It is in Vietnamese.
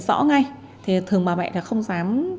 rõ ngay thường bà mẹ không dám